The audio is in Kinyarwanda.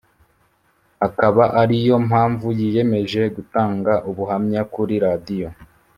akaba ari yo mpamvu yiyemeje gutanga ubuhamya kuri radio